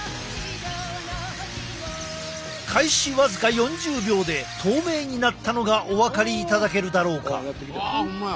開始僅か４０秒で透明になったのがお分かりいただけるだろうか。